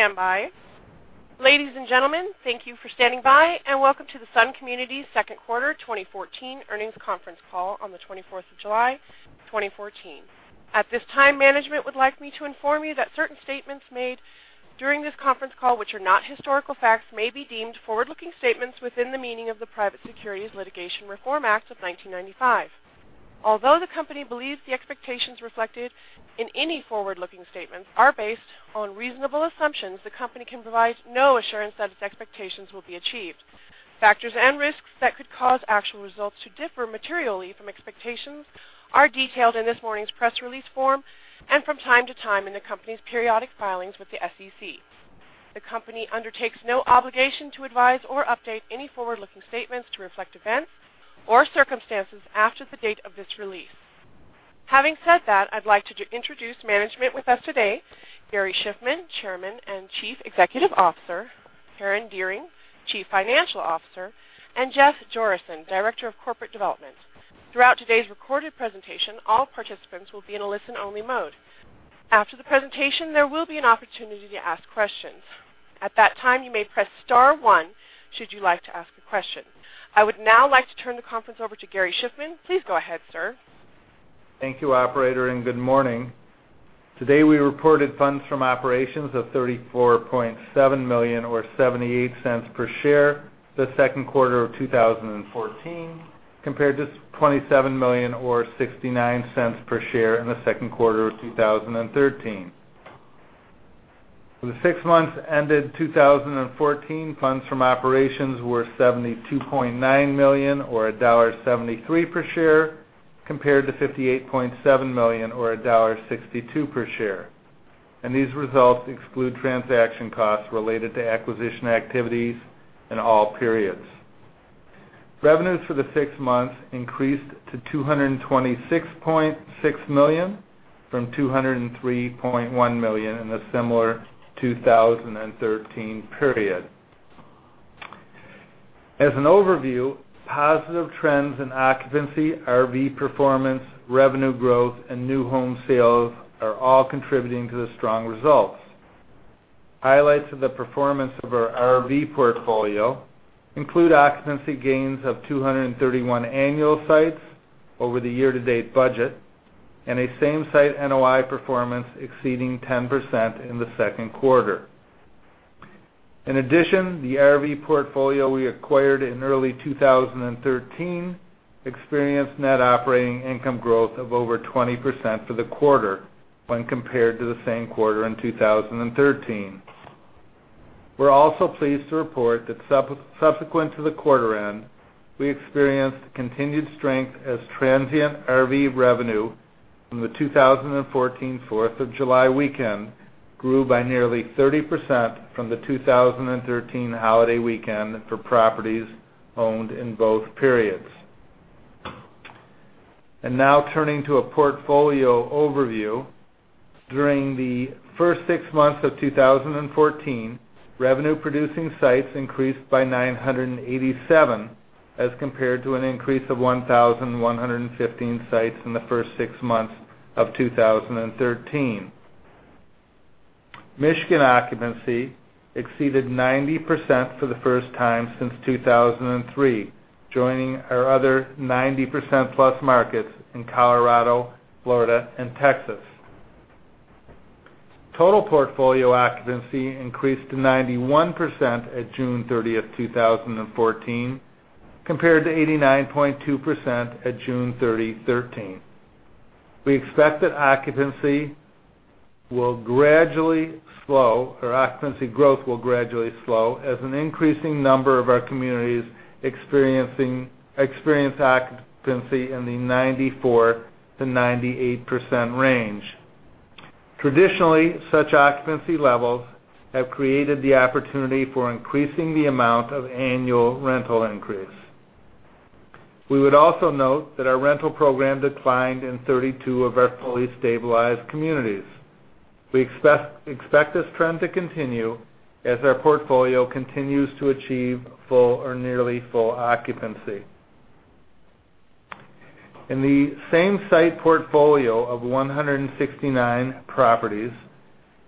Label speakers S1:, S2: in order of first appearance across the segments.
S1: Please stand by. Ladies and gentlemen, thank you for standing by, and welcome to the Sun Communities Second Quarter 2014 Earnings Conference Call on the 24th of July, 2014. At this time, management would like me to inform you that certain statements made during this conference call, which are not historical facts, may be deemed forward-looking statements within the meaning of the Private Securities Litigation Reform Act of 1995. Although the company believes the expectations reflected in any forward-looking statements are based on reasonable assumptions, the company can provide no assurance that its expectations will be achieved. Factors and risks that could cause actual results to differ materially from expectations are detailed in this morning's press release form and from time to time in the company's periodic filings with the SEC. The company undertakes no obligation to advise or update any forward-looking statements to reflect events or circumstances after the date of this release. Having said that, I'd like to introduce management with us today: Gary Shiffman, Chairman and Chief Executive Officer, Karen Dearing, Chief Financial Officer, and Jeff Jorissen, Director of Corporate Development. Throughout today's recorded presentation, all participants will be in a listen-only mode. After the presentation, there will be an opportunity to ask questions. At that time, you may press star one should you like to ask a question. I would now like to turn the conference over to Gary Shiffman. Please go ahead, sir.
S2: Thank you, Operator, and good morning. Today, we reported funds from operations of $34.7 million, or $0.78 per share, the second quarter of 2014, compared to $27 million, or $0.69 per share, in the second quarter of 2013. For the six months ended 2014, funds from operations were $72.9 million, or $1.73 per share, compared to $58.7 million, or $1.62 per share. These results exclude transaction costs related to acquisition activities in all periods. Revenues for the six months increased to $226.6 million from $203.1 million in the similar 2013 period. As an overview, positive trends in occupancy, RV performance, revenue growth, and new home sales are all contributing to the strong results. Highlights of the performance of our RV portfolio include occupancy gains of 231 annual sites over the year-to-date budget and a same-site NOI performance exceeding 10% in the second quarter. In addition, the RV portfolio we acquired in early 2013 experienced net operating income growth of over 20% for the quarter when compared to the same quarter in 2013. We're also pleased to report that subsequent to the quarter end, we experienced continued strength as transient RV revenue from the 2014 Fourth of July weekend grew by nearly 30% from the 2013 holiday weekend for properties owned in both periods. Now turning to a portfolio overview, during the first six months of 2014, revenue-producing sites increased by 987 as compared to an increase of 1,115 sites in the first six months of 2013. Michigan occupancy exceeded 90% for the first time since 2003, joining our other 90%+ markets in Colorado, Florida, and Texas. Total portfolio occupancy increased to 91% at June 30, 2014, compared to 89.2% at June 30, 2013. We expect that occupancy will gradually slow or occupancy growth will gradually slow as an increasing number of our communities experience occupancy in the 94%-98% range. Traditionally, such occupancy levels have created the opportunity for increasing the amount of annual rental increase. We would also note that our rental program declined in 32 of our fully stabilized communities. We expect this trend to continue as our portfolio continues to achieve full or nearly full occupancy. In the same-site portfolio of 169 properties,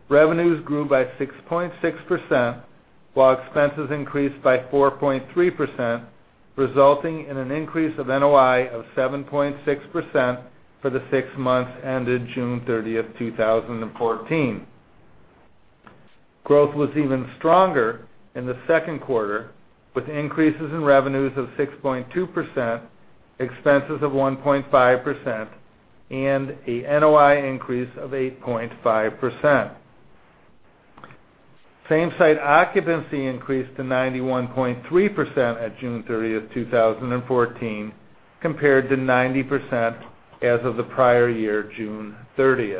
S2: revenues grew by 6.6% while expenses increased by 4.3%, resulting in an increase of NOI of 7.6% for the six months ended June 30, 2014. Growth was even stronger in the second quarter, with increases in revenues of 6.2%, expenses of 1.5%, and a NOI increase of 8.5%. Same-Site occupancy increased to 91.3% at June 30, 2014, compared to 90% as of the prior year, June 30.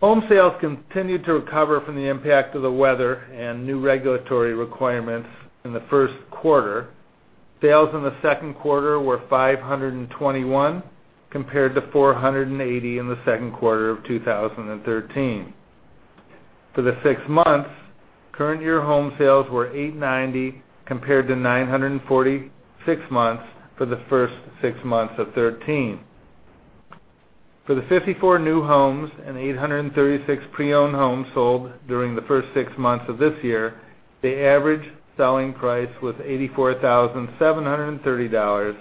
S2: Home sales continued to recover from the impact of the weather and new regulatory requirements in the first quarter. Sales in the second quarter were 521, compared to 480 in the second quarter of 2013. For the six months, current-year home sales were 890, compared to 940 six months for the first six months of 2013. For the 54 new homes and 836 pre-owned homes sold during the first six months of this year, the average selling price was $84,730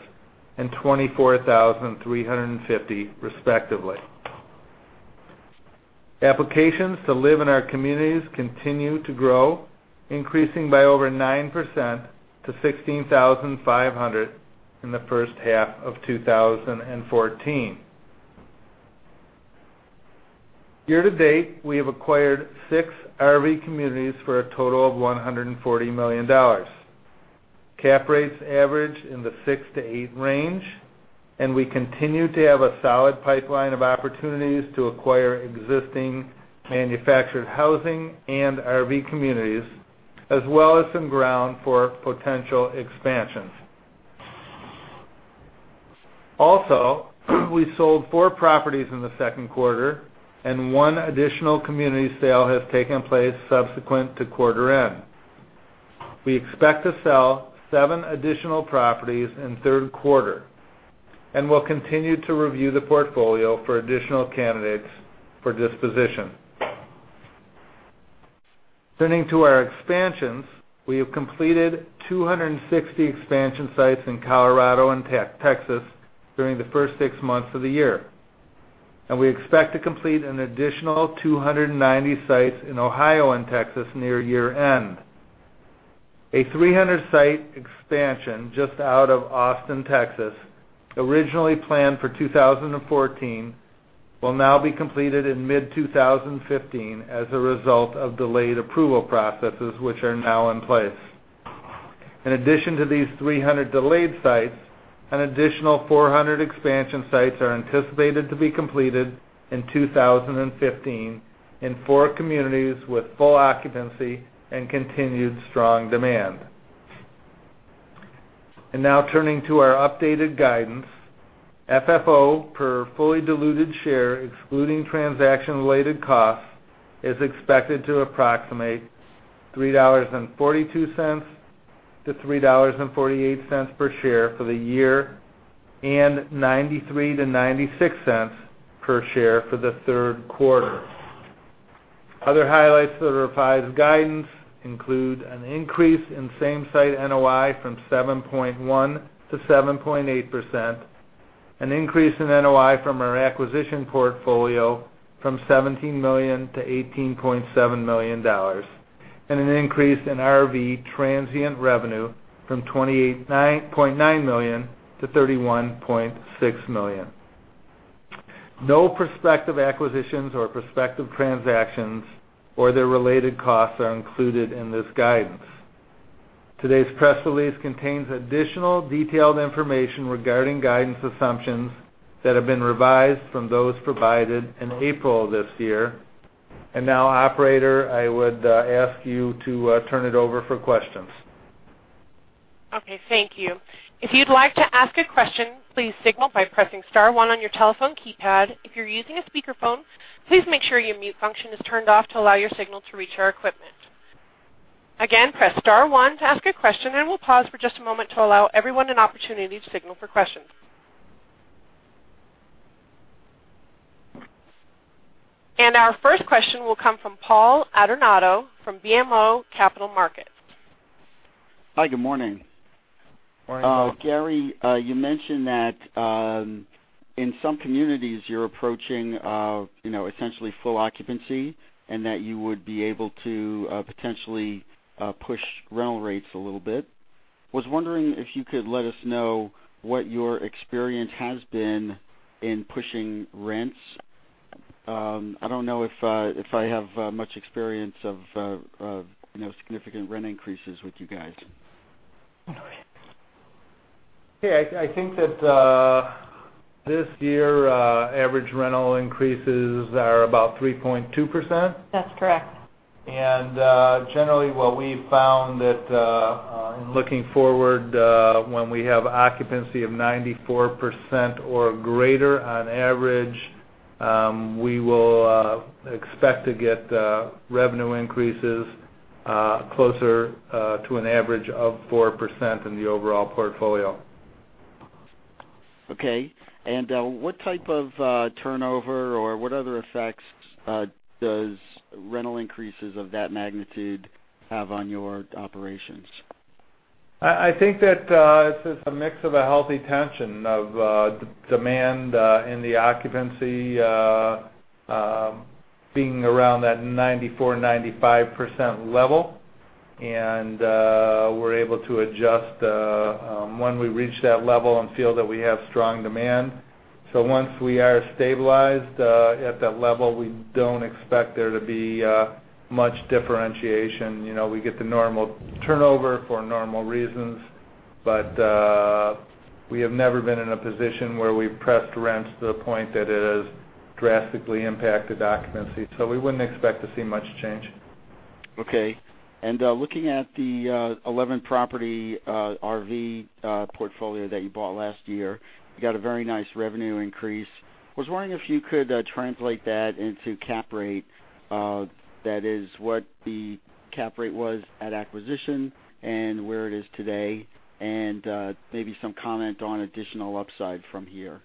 S2: and $24,350, respectively. Applications to live in our communities continue to grow, increasing by over 9% to 16,500 in the first half of 2014. Year-to-date, we have acquired six RV communities for a total of $140 million. Cap rates average in the 6-8 range, and we continue to have a solid pipeline of opportunities to acquire existing manufactured housing and RV communities, as well as some ground for potential expansions. Also, we sold 4 properties in the second quarter, and 1 additional community sale has taken place subsequent to quarter end. We expect to sell 7 additional properties in third quarter and will continue to review the portfolio for additional candidates for disposition. Turning to our expansions, we have completed 260 expansion sites in Colorado and Texas, during the first 6 months of the year. We expect to complete an additional 290 sites in Ohio and Texas near year-end. A 300-site expansion just out of Austin, Texas, originally planned for 2014, will now be completed in mid-2015 as a result of delayed approval processes which are now in place. In addition to these 300 delayed sites, an additional 400 expansion sites are anticipated to be completed in 2015 in four communities with full occupancy and continued strong demand. Now turning to our updated guidance, FFO per fully diluted share, excluding transaction-related costs, is expected to approximate $3.42-$3.48 per share for the year and $0.93-$0.96 per share for the third quarter. Other highlights that are revised guidance include an increase in same-site NOI from 7.1%-7.8%, an increase in NOI from our acquisition portfolio from $17 million to $18.7 million, and an increase in RV transient revenue from $28.9 million to $31.6 million. No prospective acquisitions or prospective transactions or their related costs are included in this guidance. Today's press release contains additional detailed information regarding guidance assumptions that have been revised from those provided in April of this year. Now, Operator, I would ask you to turn it over for questions.
S1: Okay. Thank you. If you'd like to ask a question, please signal by pressing star one on your telephone keypad. If you're using a speakerphone, please make sure your mute function is turned off to allow your signal to reach our equipment. Again, press star one to ask a question, and we'll pause for just a moment to allow everyone an opportunity to signal for questions. Our first question will come from Paul Adornato from BMO Capital Markets.
S3: Hi. Good morning.
S2: Morning, Paul.
S3: Gary, you mentioned that in some communities, you're approaching essentially full occupancy and that you would be able to potentially push rental rates a little bit. I was wondering if you could let us know what your experience has been in pushing rents? I don't know if I have much experience of significant rent increases with you guys.
S2: Okay. I think that this year, average rental increases are about 3.2%.
S4: That's correct.
S2: Generally, what we found that in looking forward, when we have occupancy of 94% or greater on average, we will expect to get revenue increases closer to an average of 4% in the overall portfolio.
S3: Okay. What type of turnover or what other effects does rental increases of that magnitude have on your operations?
S2: I think that it's a mix of a healthy tension of demand in the occupancy being around that 94%-95% level. We're able to adjust when we reach that level and feel that we have strong demand. Once we are stabilized at that level, we don't expect there to be much differentiation. We get the normal turnover for normal reasons, but we have never been in a position where we've pressed rents to the point that it has drastically impacted occupancy. We wouldn't expect to see much change.
S3: Okay. Looking at the 11-property RV portfolio that you bought last year, you got a very nice revenue increase. I was wondering if you could translate that into cap rate. That is what the cap rate was at acquisition and where it is today, and maybe some comment on additional upside from here.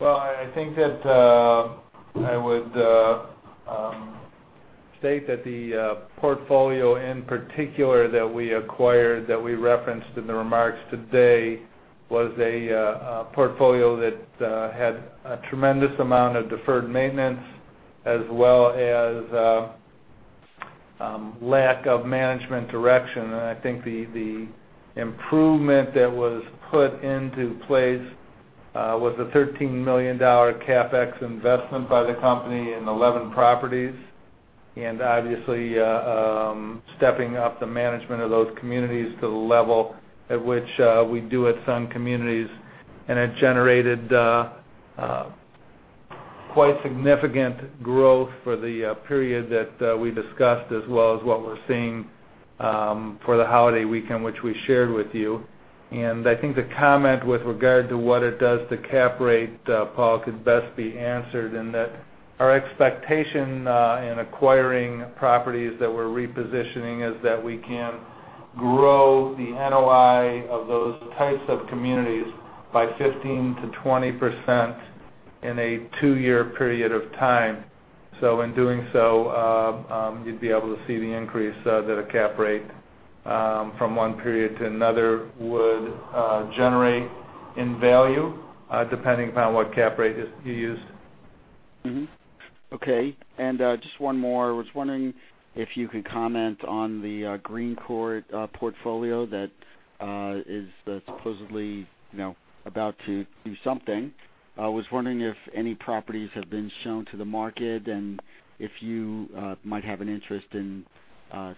S2: Well, I think that I would state that the portfolio in particular that we acquired, that we referenced in the remarks today, was a portfolio that had a tremendous amount of deferred maintenance as well as lack of management direction. I think the improvement that was put into place was a $13 million CapEx investment by the company in 11 properties, and obviously stepping up the management of those communities to the level at which we do at some communities. It generated quite significant growth for the period that we discussed, as well as what we're seeing for the holiday weekend, which we shared with you. I think the comment with regard to what it does to cap rate, Paul, could best be answered in that our expectation in acquiring properties that we're repositioning is that we can grow the NOI of those types of communities by 15%-20% in a two-year period of time. So in doing so, you'd be able to see the increase that a cap rate from one period to another would generate in value, depending upon what cap rate you used.
S3: Okay. Just one more. I was wondering if you could comment on the Green Courte portfolio that is supposedly about to do something. I was wondering if any properties have been shown to the market and if you might have an interest in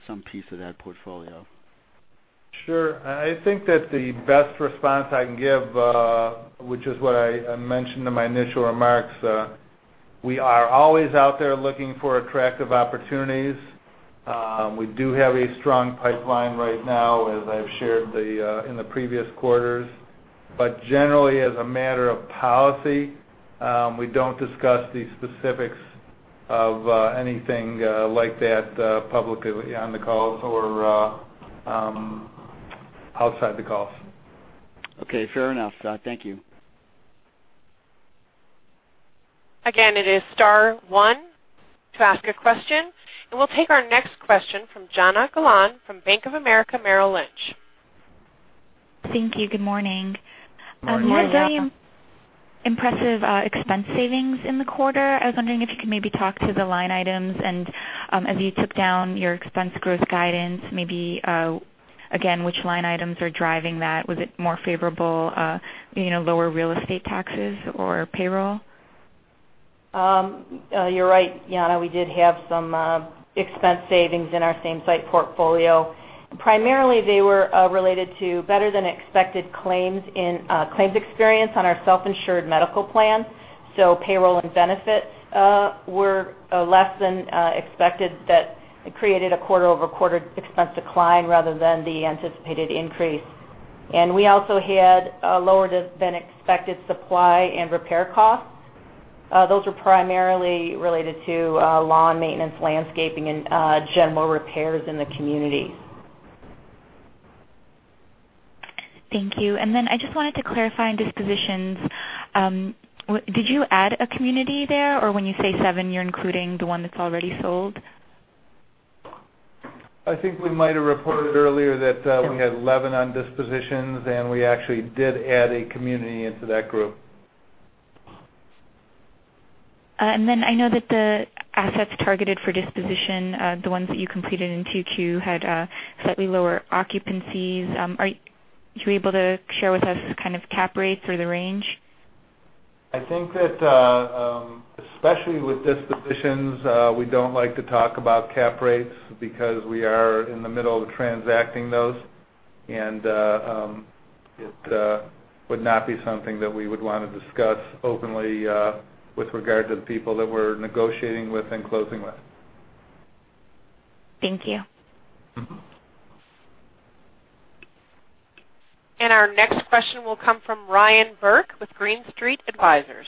S3: some piece of that portfolio.
S2: Sure. I think that the best response I can give, which is what I mentioned in my initial remarks, we are always out there looking for attractive opportunities. We do have a strong pipeline right now, as I've shared in the previous quarters. But generally, as a matter of policy, we don't discuss the specifics of anything like that publicly on the calls or outside the calls.
S3: Okay. Fair enough. Thank you.
S1: Again, it is star one to ask a question. And we'll take our next question from Jana Galan from Bank of America Merrill Lynch.
S5: Thank you. Good morning.
S4: Good morning, Jana.
S5: I heard very impressive expense savings in the quarter. I was wondering if you could maybe talk to the line items and, as you took down your expense growth guidance, maybe again, which line items are driving that? Was it more favorable, lower real estate taxes or payroll?
S4: You're right, Jana. We did have some expense savings in our Same-Site portfolio. Primarily, they were related to better-than-expected claims experience on our self-insured medical plan. So payroll and benefits were less than expected that created a quarter-over-quarter expense decline rather than the anticipated increase. And we also had lower-than-expected supply and repair costs. Those were primarily related to lawn maintenance, landscaping, and general repairs in the communities.
S5: Thank you. And then I just wanted to clarify on dispositions. Did you add a community there? Or when you say seven, you're including the one that's already sold?
S2: I think we might have reported earlier that we had 11 on dispositions, and we actually did add a community into that group.
S5: Then I know that the assets targeted for disposition, the ones that you completed in Q2, had slightly lower occupancies. Are you able to share with us kind of cap rates or the range?
S2: I think that, especially with dispositions, we don't like to talk about cap rates because we are in the middle of transacting those, and it would not be something that we would want to discuss openly with regard to the people that we're negotiating with and closing with.
S5: Thank you.
S1: Our next question will come from Ryan Burke with Green Street Advisors.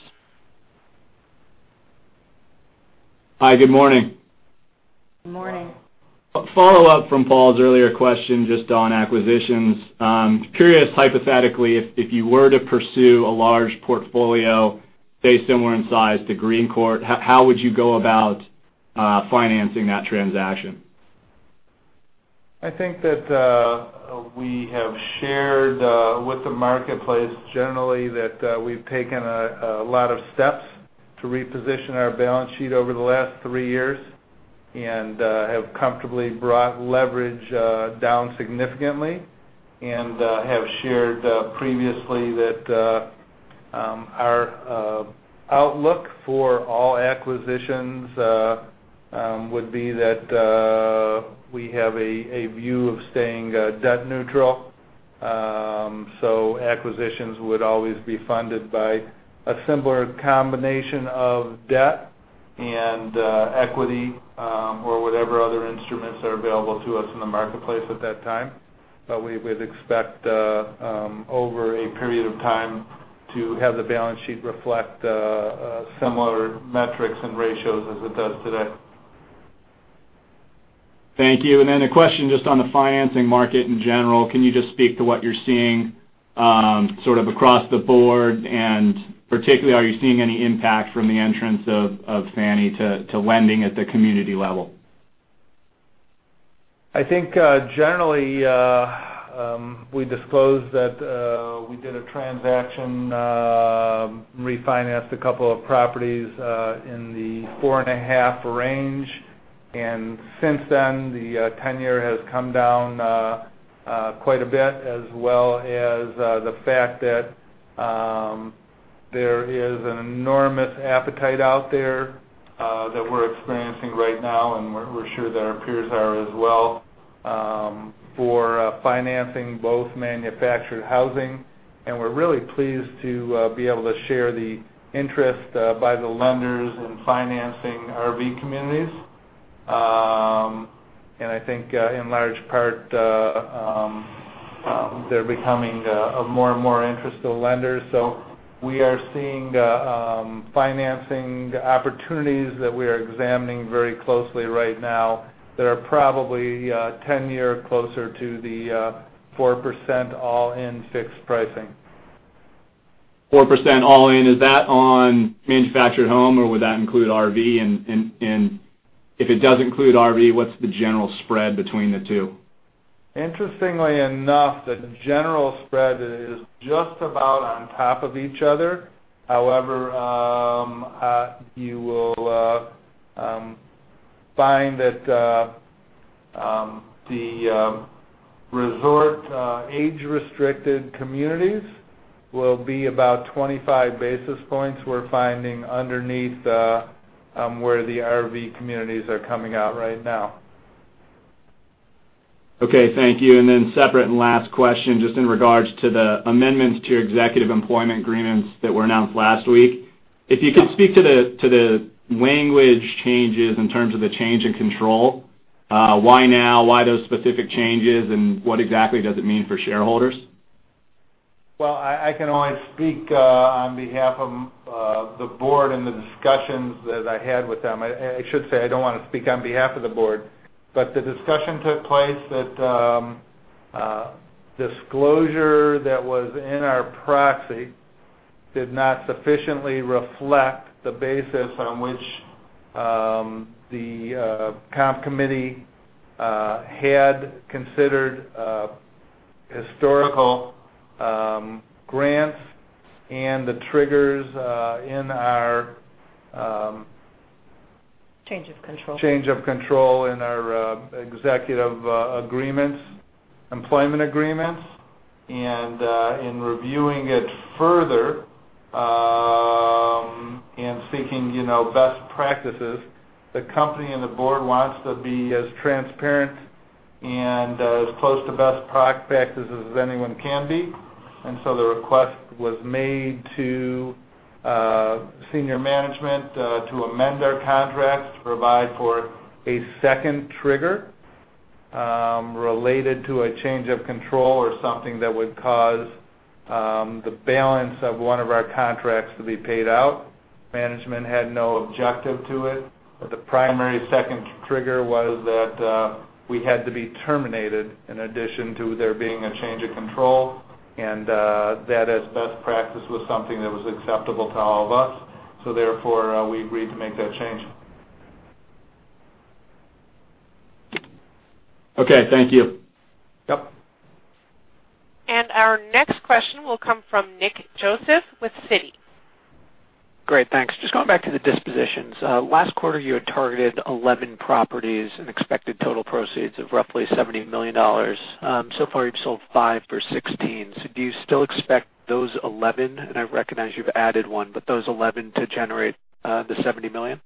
S6: Hi. Good morning.
S4: Good morning.
S6: Follow-up from Paul's earlier question just on acquisitions. Curious, hypothetically, if you were to pursue a large portfolio, say, somewhere in size to Green Courte, how would you go about financing that transaction?
S2: I think that we have shared with the marketplace generally that we've taken a lot of steps to reposition our balance sheet over the last three years and have comfortably brought leverage down significantly. I have shared previously that our outlook for all acquisitions would be that we have a view of staying debt neutral. Acquisitions would always be funded by a similar combination of debt and equity or whatever other instruments are available to us in the marketplace at that time. We would expect over a period of time to have the balance sheet reflect similar metrics and ratios as it does today.
S6: Thank you. And then a question just on the financing market in general. Can you just speak to what you're seeing sort of across the board? And particularly, are you seeing any impact from the entrance of Fannie to lending at the community level?
S2: I think generally, we disclosed that we did a transaction, refinanced a couple of properties in the 4.5 range. Since then, the tenor has come down quite a bit, as well as the fact that there is an enormous appetite out there that we're experiencing right now, and we're sure that our peers are as well for financing both manufactured housing. We're really pleased to be able to share the interest by the lenders in financing RV communities. I think, in large part, they're becoming more and more interested lenders. So we are seeing financing opportunities that we are examining very closely right now that are probably tenor closer to the 4% all-in fixed pricing.
S6: 4% all-in. Is that on manufactured home, or would that include RV? And if it does include RV, what's the general spread between the two?
S2: Interestingly enough, the general spread is just about on top of each other. However, you will find that the resort age-restricted communities will be about 25 basis points. We're finding underneath where the RV communities are coming out right now.
S6: Okay. Thank you. And then separate and last question, just in regards to the amendments to your executive employment agreements that were announced last week. If you could speak to the language changes in terms of the change in control, why now, why those specific changes, and what exactly does it mean for shareholders?
S2: Well, I can only speak on behalf of the board and the discussions that I had with them. I should say I don't want to speak on behalf of the board. But the discussion took place that disclosure that was in our proxy did not sufficiently reflect the basis on which the Comp Committee had considered historical grants and the triggers in our.
S4: Change of control.
S2: Change of control in our executive agreements, employment agreements. In reviewing it further and seeking best practices, the company and the board wants to be as transparent and as close to best practices as anyone can be. The request was made to senior management to amend our contracts to provide for a second trigger related to a change of control or something that would cause the balance of one of our contracts to be paid out. Management had no objection to it. The primary second trigger was that we had to be terminated in addition to there being a change of control. That, as best practice, was something that was acceptable to all of us. Therefore, we agreed to make that change.
S6: Okay. Thank you.
S2: Yep.
S1: Our next question will come from Nick Joseph with Citi.
S7: Great. Thanks. Just going back to the dispositions. Last quarter, you had targeted 11 properties and expected total proceeds of roughly $70 million. So far, you've sold five for $16 million. So do you still expect those 11, and I recognize you've added one, but those 11 to generate the $70 million?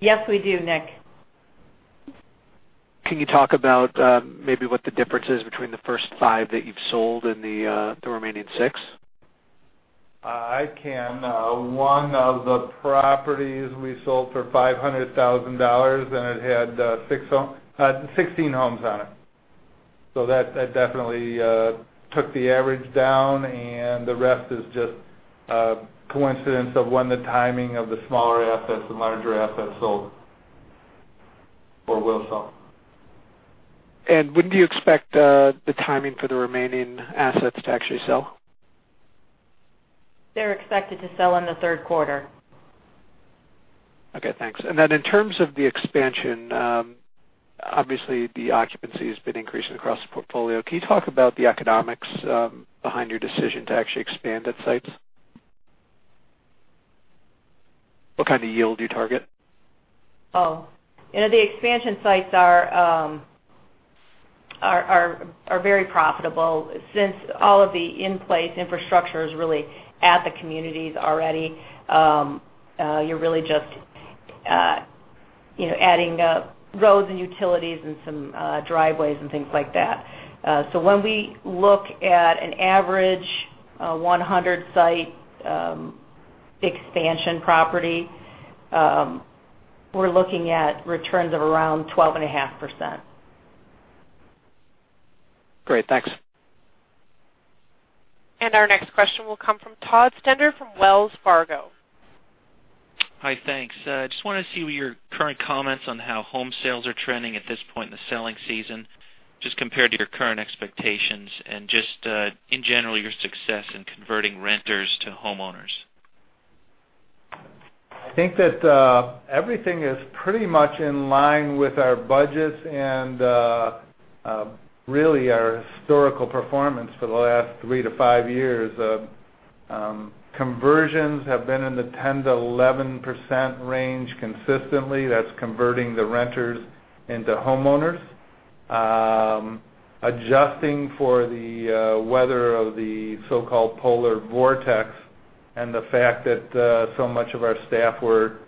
S4: Yes, we do, Nick.
S7: Can you talk about maybe what the difference is between the first five that you've sold and the remaining six?
S2: I can. One of the properties we sold for $500,000, and it had 16 homes on it. So that definitely took the average down. And the rest is just a coincidence of when the timing of the smaller assets and larger assets sold or will sell.
S7: When do you expect the timing for the remaining assets to actually sell?
S4: They're expected to sell in the third quarter.
S7: Okay. Thanks. And then in terms of the expansion, obviously, the occupancy has been increasing across the portfolio. Can you talk about the economics behind your decision to actually expand at sites? What kind of yield do you target?
S4: Oh. The expansion sites are very profitable since all of the in-place infrastructure is really at the communities already. You're really just adding roads and utilities and some driveways and things like that. So when we look at an average 100-site expansion property, we're looking at returns of around 12.5%.
S7: Great. Thanks.
S1: Our next question will come from Todd Stender from Wells Fargo.
S8: Hi. Thanks. Just wanted to see your current comments on how home sales are trending at this point in the selling season, just compared to your current expectations and just, in general, your success in converting renters to homeowners.
S2: I think that everything is pretty much in line with our budgets and really our historical performance for the last 3-5 years. Conversions have been in the 10%-11% range consistently. That's converting the renters into homeowners. Adjusting for the weather of the so-called polar vortex and the fact that so much of our staff were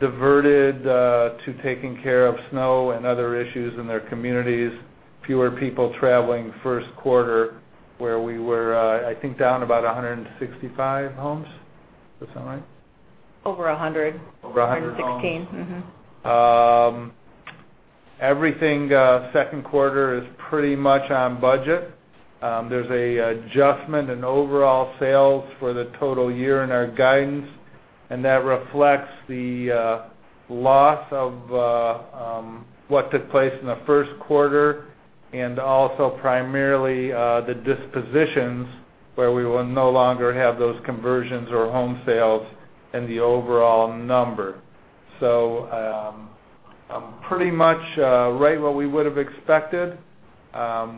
S2: diverted to taking care of snow and other issues in their communities. Fewer people traveling first quarter, where we were, I think, down about 165 homes. That sound right?
S4: Over 100.
S2: Over 100 homes.
S4: 116.
S2: Everything second quarter is pretty much on budget. There's an adjustment in overall sales for the total year in our guidance. That reflects the loss of what took place in the first quarter and also primarily the dispositions, where we will no longer have those conversions or home sales in the overall number. I'm pretty much right what we would have expected.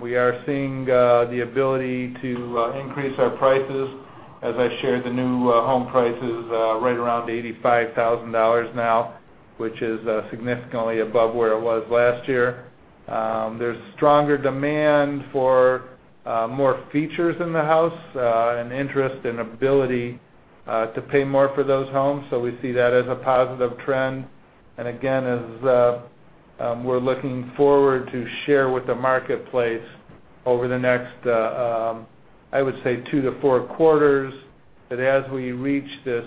S2: We are seeing the ability to increase our prices. As I shared, the new home price is right around $85,000 now, which is significantly above where it was last year. There's stronger demand for more features in the house and interest and ability to pay more for those homes. We see that as a positive trend. And again, as we're looking forward to share with the marketplace over the next, I would say, 2-4 quarters, that as we reach this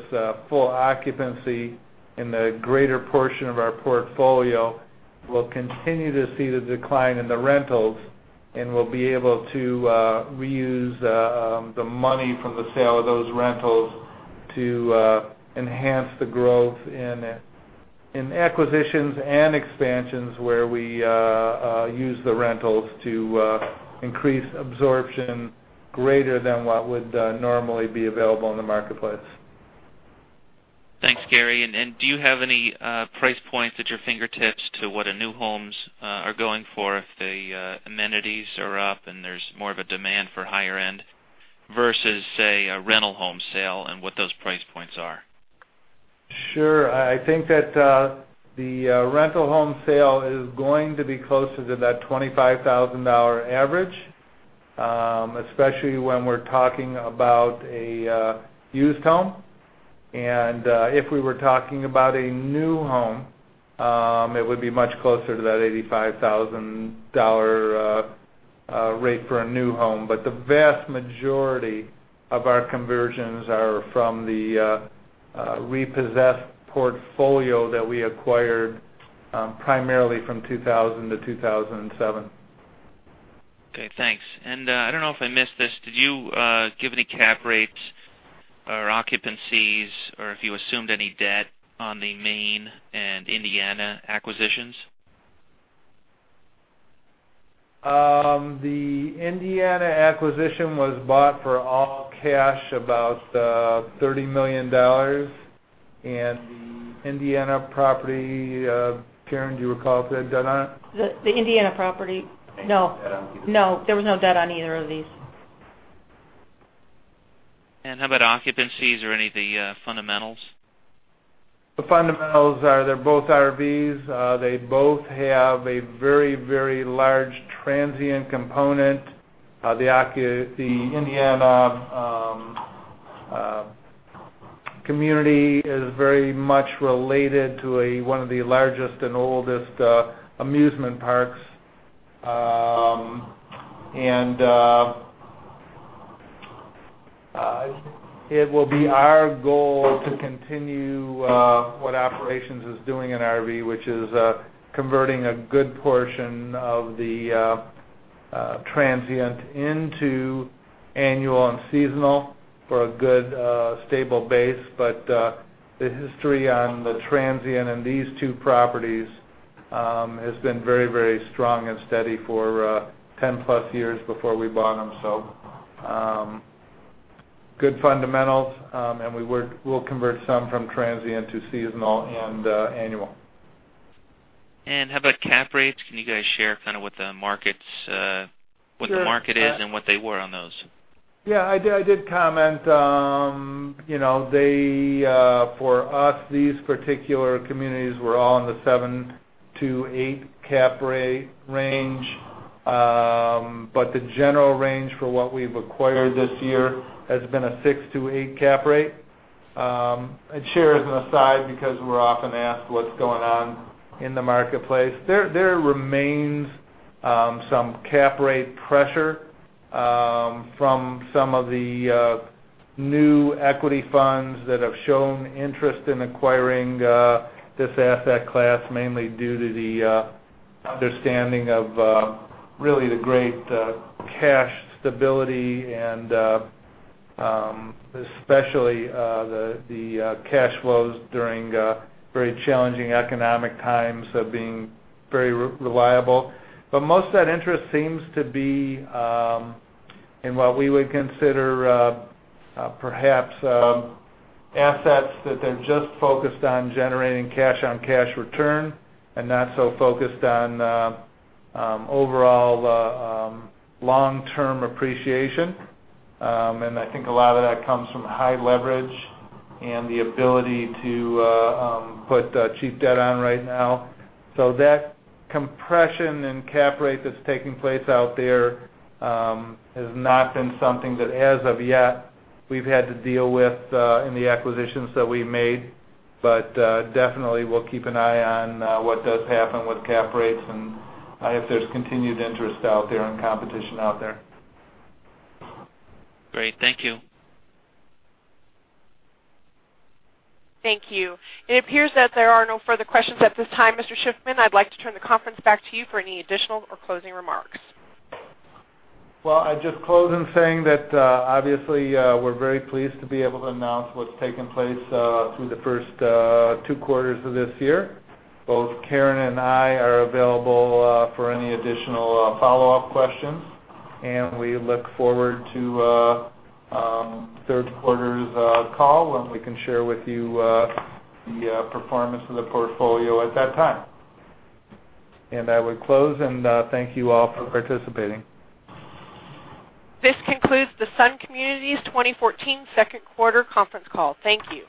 S2: full occupancy in the greater portion of our portfolio, we'll continue to see the decline in the rentals and we'll be able to reuse the money from the sale of those rentals to enhance the growth in acquisitions and expansions where we use the rentals to increase absorption greater than what would normally be available in the marketplace.
S8: Thanks, Gary. And do you have any price points at your fingertips to what new homes are going for if the amenities are up and there's more of a demand for higher-end versus, say, a rental home sale and what those price points are?
S2: Sure. I think that the rental home sale is going to be closer to that $25,000 average, especially when we're talking about a used home. And if we were talking about a new home, it would be much closer to that $85,000 rate for a new home. But the vast majority of our conversions are from the repossessed portfolio that we acquired primarily from 2000 to 2007.
S8: Okay. Thanks. And I don't know if I missed this. Did you give any cap rates or occupancies or if you assumed any debt on the Maine and Indiana acquisitions?
S2: The Indiana acquisition was bought for all cash about $30 million. The Indiana property, Karen, do you recall if they had debt on it?
S4: The Indiana property, no. Debt on either? No. There was no debt on either of these.
S8: How about occupancies or any of the fundamentals?
S2: The fundamentals are they're both RVs. They both have a very, very large transient component. The Indiana community is very much related to one of the largest and oldest amusement parks. It will be our goal to continue what Operations is doing in RV, which is converting a good portion of the transient into annual and seasonal for a good stable base. But the history on the transient in these two properties has been very, very strong and steady for 10+ years before we bought them. So good fundamentals. We'll convert some from transient to seasonal and annual.
S8: How about cap rates? Can you guys share kind of what the market is and what they were on those?
S2: Yeah. I did comment. For us, these particular communities were all in the 7-8 Cap Rate range. But the general range for what we've acquired this year has been a 6-8 Cap Rate. And just as an aside because we're often asked what's going on in the marketplace. There remains some Cap Rate pressure from some of the new equity funds that have shown interest in acquiring this asset class, mainly due to the understanding of really the great cash stability and especially the cash flows during very challenging economic times of being very reliable. But most of that interest seems to be in what we would consider perhaps assets that they're just focused on generating cash-on-cash return and not so focused on overall long-term appreciation. And I think a lot of that comes from high leverage and the ability to put cheap debt on right now. So that compression in Cap Rate that's taking place out there has not been something that, as of yet, we've had to deal with in the acquisitions that we made. But definitely, we'll keep an eye on what does happen with Cap Rates and if there's continued interest out there and competition out there.
S8: Great. Thank you.
S1: Thank you. It appears that there are no further questions at this time. Mr. Shiffman, I'd like to turn the conference back to you for any additional or closing remarks.
S2: Well, I'd just close in saying that, obviously, we're very pleased to be able to announce what's taken place through the first two quarters of this year. Both Karen and I are available for any additional follow-up questions. And we look forward to third quarter's call when we can share with you the performance of the portfolio at that time. And I would close and thank you all for participating.
S1: This concludes the Sun Communities 2014 second quarter conference call. Thank you.